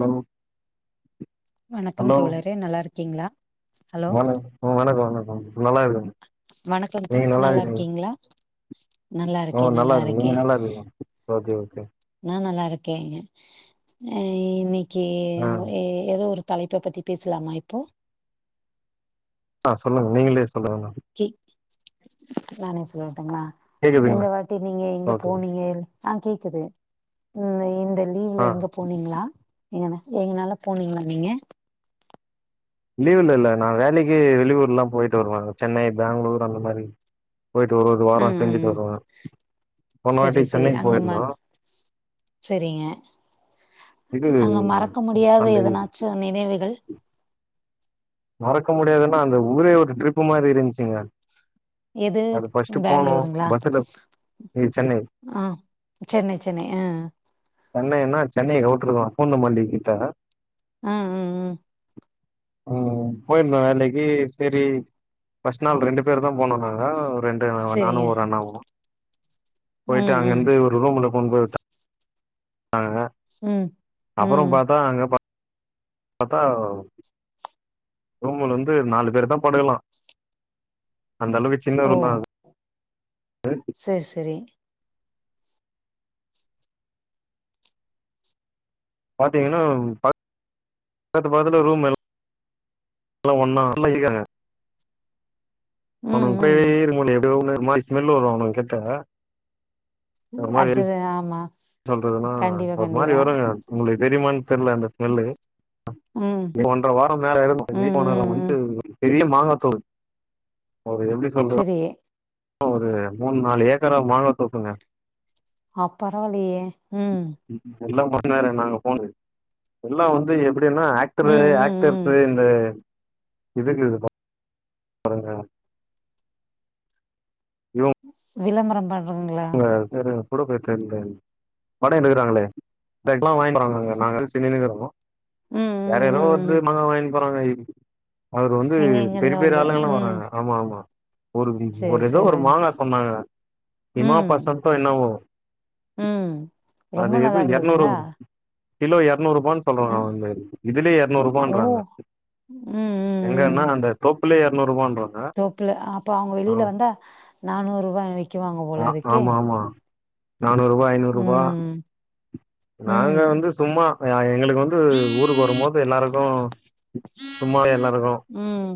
Hello வணக்கம் தோழரே நல்லா இருக் கிங்களா வணக் வணக்கோ வணக்கோ நல்லா இருக்க வணக்கம் தோ நீங்க நல்லா இருக்குறீங்க இருக்கீங்களா நல்லா ஓ இருக்கே நல்லா இருக்குறீங்க இருக்கே நீ நல்லா இருக் ஓகே ஓகே நா நல்லா இருக்கேங்க அ ஈவ்னிங் கே ஆ ஓ எதோ ஒரு தலைப்ப பத்தி பேசலாமா இப்போ ஆ சொல்லுங்க நீங்களே சொல்லுங்க மேம் கி நானே சொல்லனு ங்கள இந்த கேக்குதுங்களா வாட்டி நீங்க எங்க ஓகே போனீங்க இருக் ஆ கேக்குது உம் இந்தப் லீவ்ல ஆ எங்க போனீங்களா எங்ன எங்கனால போனீங்களா நீங்க லீவ்ல இல்ல நா வேலக்கி வெளியூரெல்லா போயிட்டு வருவே சென்னை பெங்களூர் அந்த மாரி போயிட்டு ஒரு ஒரு வாரோ ம் ம் செஞ்சுட்டு ம். வருவ பொன சரி வாட்டி சரி சென்னைக்கு அங்கம்மா போயிருந்தோ சரிங்க இது அங்க மறக்க முடியாத அந்த இ எதனாச்சு நினைவுகள் மறக்க முடியாதுன்னா அந்த ஊரே ஒரு ட்ரிப்பு மாரி இருந்துச்சுங்க எது அது ஃபர்ஸ்ட் போனோ பெங்களூருங்களா பஸ்ல இது சென்னை ஆ சென்னை சென்னை ம் சென்னைனா சென்னை அவுட்டர்தா பூந்தமல்லி கிட்ட அம் உம் உம் ஆ போயிருந்தோ வேலைக்கி செரி பஸ்ட் நாள் ரெண்டு பேருதா போனோ நாங்க ரெண்டு நானு செரிங்க ஒரு அண்ணாவு போயிட்டு ம் ம் அங்கருந்து ஒரு ரூம்ல [unintelligible] அ ம் அப்றோ ம் பாத்தா அங்க பா பத்தா அவ் ரூமுல வந்து நாலு பேர் தா படுக்கலா அந்த அளவுக்கு சின்ன ஓ ரூம் தா அது சேர் செரி பாத்தீங்கன்னா ப பக்கத்து பக்கத்துல ரூம்ல எல்லா ஒன்னா இருக்காய்ங்க ம் அவனுங்கூடவே ம் இருக்க முடில எப்டி ரூம்னு ஒரு மாரி ஸ்மெல் வரூ அவனுங்கிட்ட இ அஜ்ஜத ஆமா சொல்றதுன்னா கண்டிப்பா ஒரு மாரி கண்டிப்பா வருங்க உங்களுக்கு தெரியுமான்னு தெர்ல அந்த ஸ்மெல்லு அ ம் இனி ஒன்ற வாரோ மேல இருக்கூ ம் நீ [unintelligible] ம் வன்டு ம் பெரிய மாங்கா தோல் ஓ எப்டி சொல்றோ செரி ஒரு மூணு நாலு ஏக்கரா மாங்கா தோப்புங்க அ பரவாலையே ம் எல்லா பண்ணாரு நாங்க போனு எல்லா வந்து எப்டின்னா ஆக்டரு ம் ம் ம் ஆக்டர்ஸு இந்த இதுக்கு இது ப பரவர விளம்பரோ பண் உங்க சிரு கூட போய் தென்றல் வடேன்னுருக்கிறாங்களே த இப்லா வாங்கிடுவறாங்க நாங்கலா சின்னின்னுகுறோ ம் ம் யாரேரோ ம் வந்து ம் மாங்கா வாங்கி போறாங்காயி அவரு வந்து எங்க பெரிய எங்கருந்தோ பெரிய வந்து ஆளுங்கெல்லா ம் வராங்க ஆமா ஆமா ஒரு மி செரி ஒரு ஏதோ ஒரு செரி மாங்கா சொன்னாங்க விமா ம் பசந்தோ என்னவ் ஓ ம் ரொம்ப நல்லா எரநூறு இருந்ததுங்ளா கிலோ எர் நூற்ரூபானு சொல்றாங்க அவங்க இதுலேயே ஓ எர்நூற்ரூபான்றாங்க ம் ம் ம் எங்கன்னா அந்த தோப் பில்லே எறநூறுபான்றா தோப்புல அப்ப அவங்க வெளியில வந்தா நானூரூபா விக்குவாங் ஆ ஆமா ஆமா நானூரூபா ஐநூரூபா ம் நாங்க ம் வந்து சும்மா [unintelligible] எங்களுக்கு வந்து ஊருக்கு வரும்போது எல்லாருக்கு சும்மா எல்லாருக்கு ம்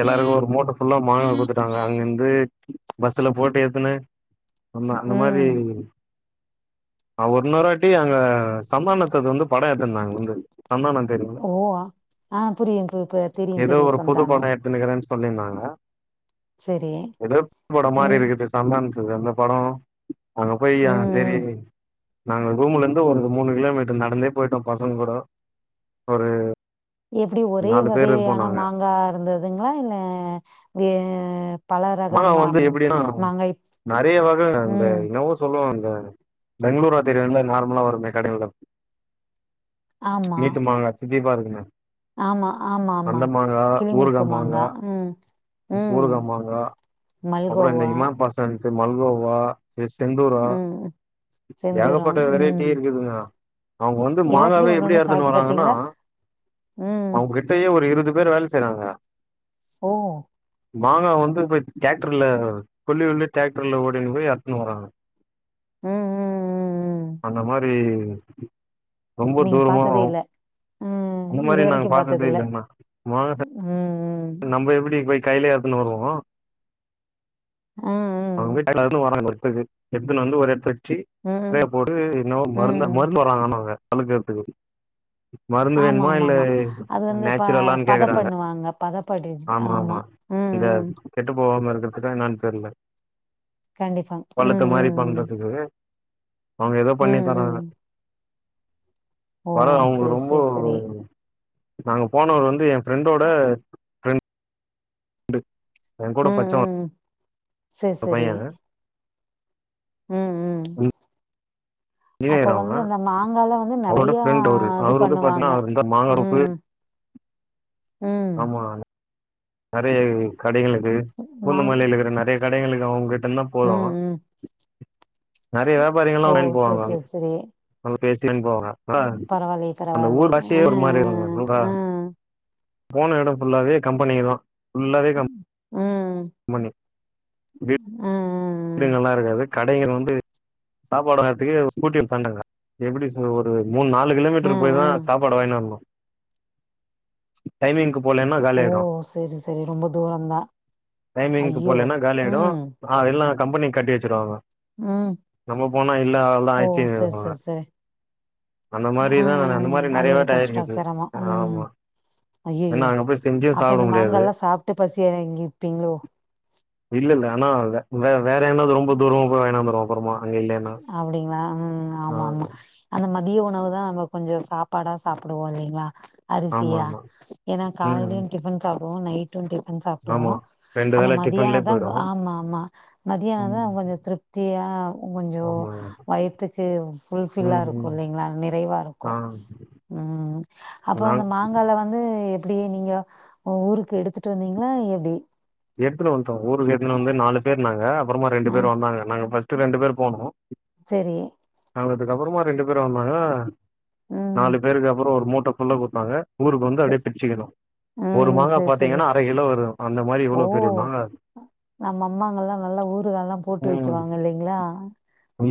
எல்லாருக்கு ஒரு மூட்ட ஃபுல்லா மாங்கா குடுத்துட்டாங்க அங்கிலிருந்து பஸ்ல போட்டு ஏத்துன சொன்னா அந்த மாரி ம் அவ ஒரு நெரா பேய் அங்க சம்மானத்துக் வந்து படையெட்டுருந்தாங்க [unintelligible] ஓ ஆஹ் புரியும் பு ப தெரியும் தெரியும் சந்தானொ சொல்லியிருந்தாங்களா எதோ போட மாரி ம் இருக்குது சந்தந்த் த்து அந்த படொ அங்க போய் ம் அங்க சரி ம் நாங்கள் ரூம்லேருந்து ஒரு மூணு கிலோமீட்டர் நடந்தே போயிட்டோ பசங்க கூடொ ஒரு எப்டி ஒரே நாலு பேர் இருப்போ வகையையான நாங்க மாங்கா இருந்ததுங்களா இல்ல வே பல மாங்கா ரகம் வந்து மாங் எப்டின்னா மாங்காய் உம் வேறுபெங்களூர் [unintelligible] நார்மலா வருமே கடேலுள்ள ஆமா வீட்டு மாங்கா தித்திபாருக்கு உண்ம ஆமா ஆமா ஆமா கிளிமுக்கு மாங்கா ம் ம் ஊறுகா மாங்கா மல்ஹோவா செ மல்ஹோவா செ செந்தூரோ ம் ஏகப் செந்தூரம் வெ ம் வெறைட்டி இருக்குதுங்க அவங்க வந்து எல்லாத்துலயு மாங்காவே ஒண்ணு எப்டி ஒண்ணு ஏறுதுன்னு சாப்ட்டு வறாங்கன்னா பாத்தீங்களா ம் அவங்ககிட்டயே ஒரு இருபது பேர் வேல செனங்க ஓ மாங்கா வந்து போய் டிராக்டர்ல கொல்வுல்லி டிராக்டர்ல ஓடின்னு போய் அர்த்துனு வராங்க உம் ம் ம் ம் அந்த [unintelligible] நீங்க தூரமா பாத்ததே இல்ல ம் அந்த இது மாரி நாங்க வரைக்கும் பாத்தது பாத்ததே இல்ல ஆனா மாங்கா ம் ம் நம்ம எப்டி போய் கையில ஏத்துன்னு வருவோம் ம் அவ [inaudible] ம் [unintelligible] எத்துன் வந்து ஒர் எட்த்ல சி ம் [unintelligible] போட்டு என்னோவோ ம் மருந்த ம். மருந் வராங்கன் அவ [unintelligible] ஆமா ஆமா ஆமா அது வந்து பா நேச்சுரலான்னு பத கேக்குறாங்க பண்ணுவாங்க பதப் ஆமா ஆமா இங்க கெட்டு போவாம ருகற்துக்கா என்னனு தெரில கண்டிப்பா ம் பள்ளத்த ம் மாறி ம் பண்றதுக்காக அவுங்க எதோ பண்ணித் ம் ம் தராங்க ஓ பரல அவுங்க சரி ரொம்போ சரி சரி நாங்க போனவரு வந்து ஏ ஃபிரண்டோட அ ஃப்ரண் டு ஏன் கூட ம் பச்சவ ம் ஒர் பையன் உம் ஊம் அப்ப இன்ஜினியர் வந்து அவன் அந்த மாங்கால வந்து அவரோட நறைய ஃப்ரெண்ட் அவரு இது அவரு வந்து பண்ணுவாங்க பாத்தீங்கன்னா அவர் இந்த மாங்கா உப்பு ஊம் ஊம் நறைய [unintelligible] கடைங்களுக்கு மாங் பூந்தமலில்லருக்குற நெறய க கடைங்களுக்கு அவுங்க வேன்னா போலா ம் ம் நறைய வியாபாரிங்க ஓ ல்லாம் வாயின் செரி போவாங்க செரி செரி அவ் [unintelligible] போவாங்க அ பரவாயில்லையே அந்த பரவாயில்லையே ஊர்லர்சியே ஆ ஒரு மாறி இருக்கோ சொல்றா ஆ ஆ போன எடம் ஃபுல்லாவே கம்பெனிங்க தா ஃபுல்லாவே கம்ப் ம் ம் பனி [unintelligible] ம் கடைங்கள் வந்து சாப்பாட் வாங்றத்க்கே ஸ்கூட்டிய தன்டாங்க எப்டி ஒரு மூனு நாலு கிலோமீட்டர் ம் போய் தா ம் சாப்பாடு வாயிங் வரணும் டைமிங்க்கு போலயன்னா ஓ கால்யாய்டும் செரி செரி ரொம்ப தூரந்தா டைமிங்க்கு ஐயோ போலயன்னா கால்யாய்டும் அ எல்லா கம்பனிக் கட்டி வெச்ருவாங்க உம் ஓ செர் ஆயிடுச்சுனுவாங்க செர் சேர் அந்த மாரிதா உம் அந்த ம் மாரி அது நெறைய ஒரு வாட்டி கஷ்டோ ஆயிருக்குது சேரமோ உம் ஆமா ஏன்னா ஐயயோ அங்க போய் செஞ்சும் அப்ப இந்த சாப்ட முடியாது மாங்கால்லா சாப்ட்டு பசி அடங்கிப்பீங்ளோ அனா அங்க வேற என்னாவது ரொம்போ தூரம் அப்ரோ என்ன மரம் அப்பறமா அப்டிங்ளா ம் ஆமா ஆமா அந்த மர மதிய உணவு தான் நம்ம கொஞ்சம் சாப்பாடா சாப்புடுவோம் இல்லிங்ளா ஆமா அரிசியா ஆமா ஏன்னா ம் காலையிலியும் டிஃபன் சாப் போ நை ட்டுன் டேஸ்ட் பண்ணி சாப்டுவோ ஆமா ரெண்டு அந்த வேல மதியான டிஃபன்லயே தான் போயிடு ஆமா ஆமா மதியானம் ம் தான் கொஞ்சம் திருப்தியா கொஞ்சம் ஆமா வய்த்துக்கு ஃபுல் ஃபில்லா ம் இருக்கும் ம் இல்லைங்ளா நிறைவா ஆ இருக்கும் ம் அப்பற அந்த நாங் மாங்கால வந்து எப்புடி நீங்க ஊருக்கு எடுத்துட்டு வந்தீங்ளா எப்டி எடுத்துட்டு வந்துட்டோம் ஊருக்கு எடுத்துட்டு வந்து நாலு பேர்னாங்க அப்பறமா ரெண்டு ஆ பேர் வந்தாங்க நாங்க ஃபஸ்ட் ரெண்டு பேர் போனோம் செரி அதுக்கப்பறமா ரெண்டு பேரும் வந்தாங்க ம் நாலு பேருக்கு அப்பறோம் ஒரு மோட் [unintelligible] கொடுத்தாங்க ஊருக்கு வந்து செ அப்டியே பிரிச்சுக்கணும் ஒரு ம் மாங்கா செரி செரி பாத்தீங்கன்னா அர கிலோ வரும் அந்த ஓ இவ்ளோ பெரிய மாங்கா நம்ம அம்மாங்கல்லாம் நல்லா ஊருகால்லாம் போட்டு ம் வைக்குவாங்க இல்லைங்ளா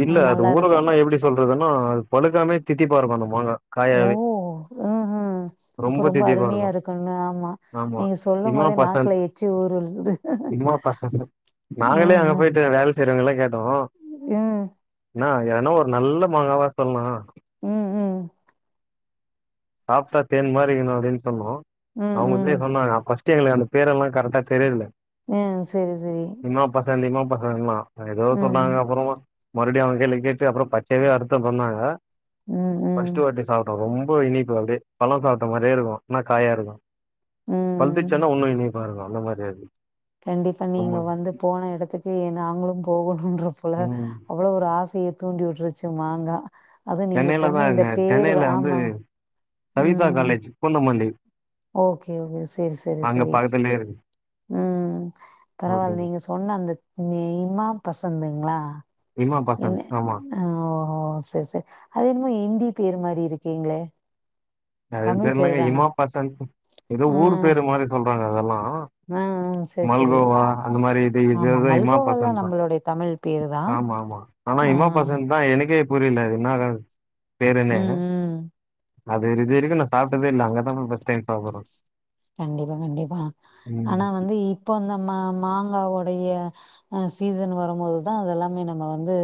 அது நல்லாருக்கும் அதுலாம் பழுக்காமே தித்திப்பா இருக்கணும் ஓ ம்ஹும் அப்ப ரொம்ப தித்திப்பா அருமையா இருக்கு இருக்குல்ல ஆமா நீங்க சொல்லும் போதே நாக்குல எச்சு சும்மா பசங்க நாங்களே அங்க ம்ஹும் போயிட்டு வேலை செய்றங்களா [unintelligible] ம் என்னா ஏன்னா ஒரு நல்ல மாங்காவா சொல்ல ம் ம் சாப்ட்டா தேன் மாரி இருக்குனு அப்டின்னு சொல்வோ ம் அவுங்க ம் வந்து சொன்னாங்க அப்ப [unintelligible] அந்த பேர் எல்லாம் கரெக்டா தெரியுல ம் செரி செரி [unintelligible] அ எதோ சொன்னாங்க அப்பறமா மறுப்டியு அவங்க கேள்வி கேட்டு அப்புறோ பச்சையாவே அருத்து பண்ணாங்க ம் ம் ஃபஸ்ட்டு வாட்டி சாப்டோ ரொம் போய் நீ [unintelligible] அப்டே பழோ சாப்ட்ட மாரியேருக்கு ஆனா காயாருக்கு [unintelligible] ம் [unintelligible] அந்த மாரி அது கண்டிப்பா ரொம்ப நீங்க வந்து போன எடத்துக்கு எ நாங்களு போகணுன்ற அப் போல ம் அவ்வளவு ஒரு ஆச [unintelligible] தூண்டி வுட்ருச்சு மாங்கா அது நீங்க சென்னையில தா சொன்ன இந்த இருந்த பேரு சென்னையில வந்து ஆமா சவிதா ம் காலேஜ் பூந்த மல்லி ஓகே ஓகே செரி செரி செரி பக்கத்துலயே இருக்கு உ ஓகே பரவால் நீங்க சொன்ன அந்த இமா பசந்த் ஆமா [unintelligible] [inaudible] செர் செர் அது என்மோ இந்தி பேர் மாரி இருக்கீங்ளே அது தெரிலெங்க [unintelligible] எதோ ஊரு பேரு மாரி சொல் றாங்க அதெல்லா ம் செர் செரி மல்கோவா அந்த மாரி இது இது ஆமா எதோ இமா மல்கோவாலா பசந்த் தா நம்பளுடைய தமிழ் பேரு தா ஆமா ஆமா ஆனா ஆ [unintelligible] தா எ [unintelligible] க புரில இன்னாதது பேர் என்னங்க ம் ம் அது [unintelligible] இது வரிக்கு நா சாப்ட்டதே இல்ல அங்கதா ப பஸ்ட் டைம் சாப்புற்றோ கண்டிப்பா கண்டிப்பா ஆனா வந்து இப்ப இந்த மா மாங்காவோடைய அ சீசன் வரும்போதுதா அதெல்லாமே நம்ம வந்து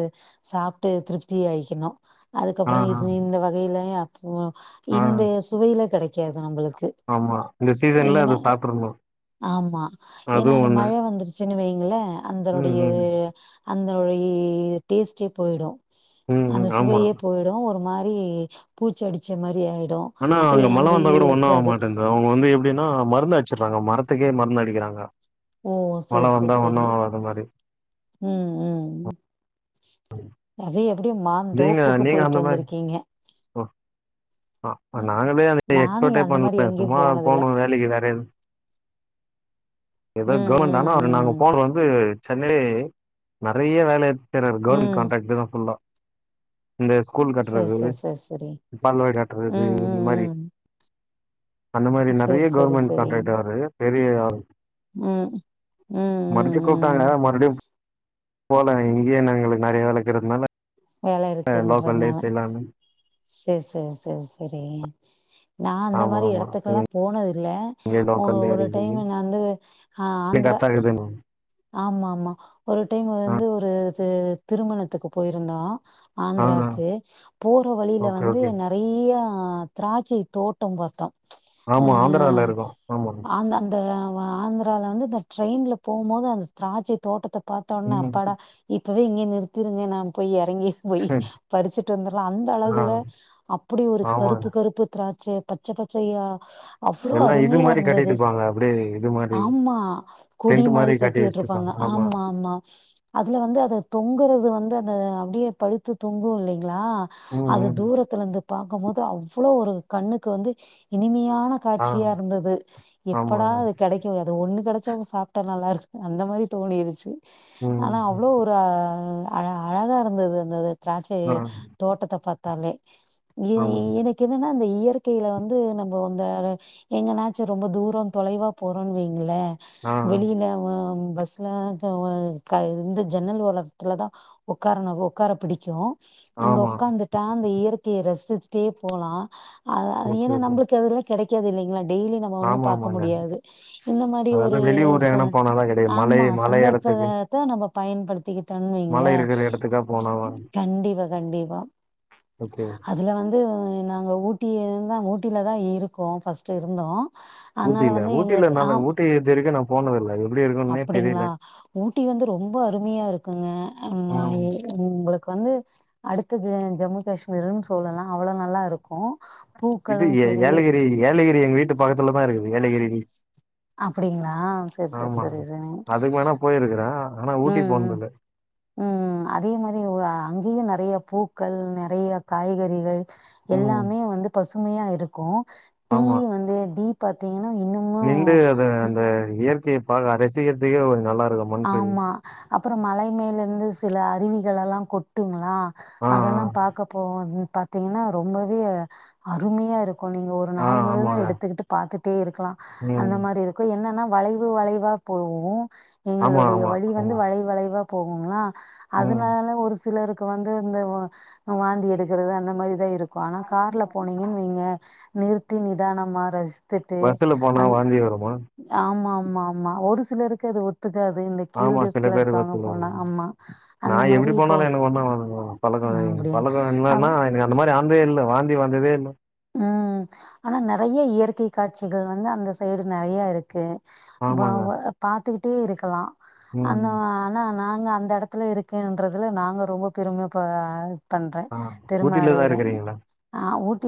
சாப்ட்டு திருப்தியாக்கிணு ஆ அதுக்கப்புறோ ஆ இது இந்த வகை இல்லையா [unintelligible] ஆ இந்த சுவையில கெடைக் [unintelligible] ஆமா இந்த சீசன்ல ஏன்ன அத சாப்ட்றணு ஆமா ஏன்னா அதுவு அது ஒண்ணு மழை வந்துருச்சுன்னு வையுங்களே ம் அந்தனுடைய ம் அந்த [unintelligible] டேஸ்ட்டே போயிடு ம் அந்த ம் ஆமா சுவையே போயிடு ஒரு மா ரி பூச்சி அடிச்ச மாரி ஆய் ஆனா அங்க மழ வந்தா கூட ஒன்னு ஆக மாட்டேன்து அவங்க வந்து எ ப்டின்னா மருந்து அடிச்சிட்றாங்க மரத்துக்கே மருந்து அடிக்கிறாங்க ஓ! மழ வந்தா ஒன்னு ஆவாத மாரி உம் உம் [unintelligible] நீங்க நீங்க அந்த மாரி அ அ நாங்களே [inaudible] நானு எக்ஸ்பர்ட்டே அந்த மாரி பண்ணல எங்கேயு சும்மா போனதில்ல போனோ வேலைக்கு வேற எது எதோ ம் கவர்மெண்ட் [inaudible] நாங்க ம் போனது வந்து சென்னை நெறைய வேல [unintelligible] செய்றது ம் கவுர்மென்ட் ம் கான்ட்ராக்டே தா ஃபுல்லா இந்த ஸ்கூல் சேரி கட்றது சேரி சேரி சேரி பால்வாடி கட்றது ம் இந்த ம் மாரி ம் அந்த மாரி நெறைய சேரி கவர்மெண்ட் காண்ட்ராக்டர் அவரு பெரிய ஆள் உம் உம் உம் கூப்ட்டாங்க உம் மறுபடியு போல இங்கயே நாங்களுக்கு நெறைய வேல க்கறதுனால வேல இருக்குன்றதுனால சேர் சேர் சேர் சேரி நா அந்த ஆமா மாரி ஆமா எடத்துக்கெல்லா போனதில்ல ஓ ஒரு டைம்ல நா வந்து ஆ [unintelligible] ஆந்திர கத்தா இருக்குது மேம் ஆமா ஆமா ஒரு டைம் வந்து ஒரு து திருமணத்துக்கு போயிருந்தோ ஆ ஆ ஆந்திராக்கு போற வழில ஓகே வந்து ஓகே நெறையா அஹ் திராட்சை தோட்டம் பாத்தோ ஆமா ஆந்திரால இருக்கு ஆமா அ ஆந்திரால வந்து இந்த ட்ரெய்ன்ல போம்போது அந்த திராட்சை தோட்டத்த பாத்தொட்னே ம் அப்பாடா இ ப்பவே இங்க நிருத்திருங் எறங்கி போய் சரி பறிச்சிட்டு வந்துர்லா அந்த ஆ அழகுல அப்டி ஒரு கருப்பு ஆமாங்க கருப்பு திராட் ச பச்ச பச்சயா எல்லா இது மாதிரி கட்டிட்டு இருப்பாங்க அப்டியே இது மாதிரி த டென்ட் மாரி கட்டி இருப்பாங்க ஆமா ஆமா அதுல வந்து அத தொங்குறது வந்து அந்த அப்டியே பலுத்து தொங்கு இல்லைங் லா ம் அது ம் தூரத்துல இருந்து ப போது அவ்ளோ ஒரு கண்ணுக்கு வந்து இனிமியா ன ஆ காட்சியா இருந்தது எப்படா ஆமாங்க அது கிடைக்கு அது ஒண்ணு கிடைச்சா சாப்ட்டா நல்லா இருக்கு அந்த மாரி தோணிருச்சு ம் ஆனா ம். அவ்ளோ ஒரு ஆனா அழகா இருந்தது அந்தது ஆ திராட்சைத் தோட்டத்த பாத் தாலே ஏ ஆமாங்க எனக்கு என்னன்னா அந்த இயற்க் க்கையில வந்து நம்ப அந்த எங்கனாச்சு ரொம்ப தூரம் தொலைவா போறோனு வைங்களே ஆ வெளியில வ ம் பஸ்ல இத க இந்த ஜன்னல் ஓரத்துல தா உட்காரன்னு உட்கார புடிக்கு அங்க ஆமா உக்காந்துட்டா அந்த இயற்கைய ரசிச் ஸ்டே போலா அ அது ஓகே ஏன்னா ஓகே நம்புளுக்கு எதுலா கிடைக் க்கது இல்லைங்களா டெய்லி நம்ம ஒண்ணு ஆமா பாக்க ஆமாங்க முடியாது இந்த மாதிரி அதெல்லா ஒரு வெளியூர் ச எங்கனா போனாதா கெடைக்கு மலை ஆமா மலை எடத்துக்கு சந்தர்ப்பதத்த நம்ம பயன்படுத்திக் மலை தண்வீங்களே இருக்கிற எடத்துக்கா போனாதா கண்டிப்பா கண்டிப்பா ஓகே து நாங்க ஊட்டிய இருந்தா ஊட்டில தான் இருக்கோ ஃபர்ஸ்ட்டு இருந்தோ ஊட்டில ஊட்டில நா ஊட்டி இது வரைக்கு போனதில்லயே அப்டிங்களா ஊட்டி வந்து ரொம்ப அருமையா இருக்குங்க ஆஹ் ம் ஆஹ் உங்களுக்கு வந்து அடுத்த ஜ ஜம்மு காஷ்மீர்ன்னு சொல்லலா அவல நல்லா இருக்கு இது பூக்களு சரி ஏலகிரி ஏலகிரி எங்க வீட்டு பக்கத்துலதா இருக் ஏலகிரி ஹில்ஸ் அப்டிங்களா செரி செரி ஆமா செரி சரி அதுக்கு வேணா போயிருக்குறே ஆனா ஊட்டி உம் போனதில்ல உம் உம் அதே மாரி அங்கயு நெறைய பூக்கள் நெறய காய்கறிகள் ம் எல்லாமே வந்து பசுமயா இருக்கு டீ ஆமா வந்து டீ பாத்தீங்கன்னா இன்னுமு நிண்டு அது அந்த இயற்கைய பா அரசியல்த்துயு ஒரு நல்லா இருக்கு மனசுக்கு ஆமா அப்புறோ மலை மேல் இருந்து சில அருவிகளெல்லா கொட்டுங்ளா ஆ அதெல்லா பாக்க போவோ பாத்தீங்கன்னா ரொம்பவே அருமயா இருக்கு கோ நீங்க ஒரு ஆ ஆ நாள் முழுவதும் ஆமாங்க எடுத்துக்கிட்டு பாத்துகிட்டே இருக்கலா ம் அந்த மாரி இருக்கு என்னன்னா வளைவு வளைவா போவு ஆமா எங்களுடைய ஆமா வழி வந்து ம் வளைவு வளைவா போகுங்களா ம் அதனால ஒரு சிலருக்கு வந்து இந்த வாந்தி எடுக்கிறது அந்த மாரி தா இருக்கு ஆனா கார்ல போனீங்கன்னு வைங்க நிறுத்தி நிதானமா ரசி பஸ்ல போனா வாந்தி வருமா ஆமாம் ஆமாமா ஒரு சிலருக்கு அது ஒத் ஆமா சில பேருக்கு ஒத்துக்காது ஆமா நா அந்த மாரி எப்படி இப்போ போனாலு எனக்கு ஒண்ணு ஆவாது பழக்கோ ஆ அப்படி பழக்கோ அவ என்னன்னா எனக்கு அந்த மாரி வந்தே இல்ல வாந்தி வந்ததே இல்ல உம் ஆனா நெறய இயற்கை காட்சிகள் வந்து அந்த சைடு நெறயா இருக்கு பா ஆமாங்க பாத்துக்கிட்டு டே இருக்கலா அந்த ம் ஆனா நா அந்த எடத்துல இருக்கன்றதுல நாங்க ரொம்ப பெருமைய பண்ற ஆ பெரும ஊட்டில தா அடையற இருக்குறீங்களா ஆஹ் ஊட்டி